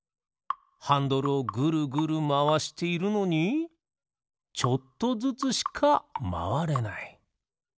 ハンドルをグルグルまわしているのにちょっとずつしかまわれない。